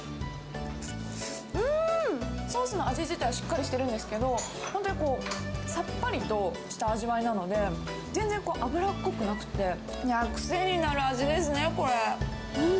うーん、ソースの味自体、しっかりしてるんですけど、本当にこう、さっぱりとした味わいなので、全然こう、脂っこくなくて、いやー、癖になる味ですね、これ。